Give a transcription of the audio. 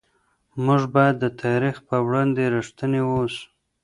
موږ باید د تاریخ په وړاندې رښتیني واوسو.